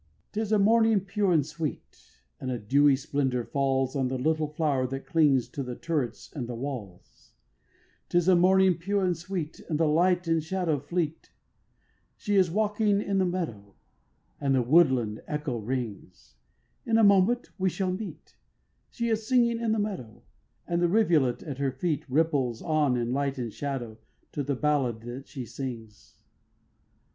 6. 'Tis a morning pure and sweet, And a dewy splendour falls On the little flower that clings To the turrets and the walls; 'Tis a morning pure and sweet, And the light and shadow fleet; She is walking in the meadow, And the woodland echo rings; In a moment we shall meet; She is singing in the meadow, And the rivulet at her feet Ripples on in light and shadow To the ballad that she sings.